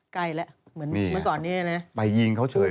ไกลละเหมือนก่อนนี้เลยนะไปยิงเขาเฉยเลย